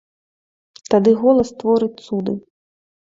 Тады голас творыць цуды.